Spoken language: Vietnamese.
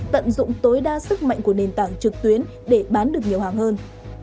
tận dụng tối đa sức mạnh của nền tảng trực tuyến để bán được nhiều hàng hơn